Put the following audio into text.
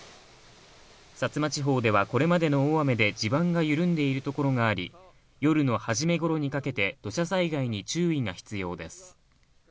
薩摩地方ではこれまでの大雨で地盤が緩んでいるところがあり、夜のはじめ頃にかけて、土砂災害に注意が必要です。